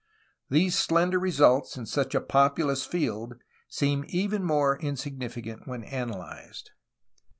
These slender results in such a populous field seem even more insignificant when analyzed.